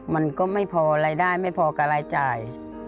มันก็ไม่พอรายได้ไม่พอกับรายจ่าย